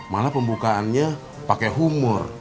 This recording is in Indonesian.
malah pembukaannya pake humor